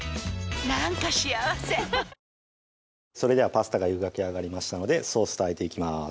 パスタが湯がきあがりましたのでソースとあえていきます